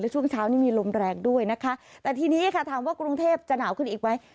ช่วงเช้านี้มีลมแรงด้วยนะคะแต่ทีนี้ค่ะถามว่ากรุงเทพจะหนาวขึ้นอีกไหม